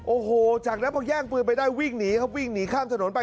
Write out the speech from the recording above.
โอ้โหจากนั้นพอแย่งปืนไปได้วิ่งหนีครับวิ่งหนีข้ามถนนไป